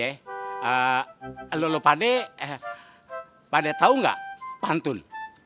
eh lo paham paham tau nggak pantun